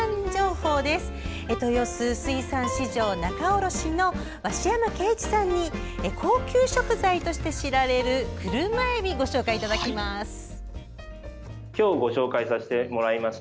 豊洲水産市場仲卸の鷲山景一さんに高級食材として知られるクルマエビ、ご紹介いただきます。